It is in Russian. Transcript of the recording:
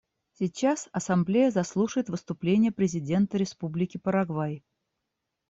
Сейчас Ассамблея заслушает выступление президента Республики Парагвай.